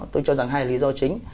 tôi cho rằng hai lý do chính